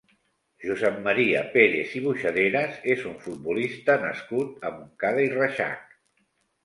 Josep Maria Pérez i Boixaderas és un futbolista nascut a Montcada i Reixac.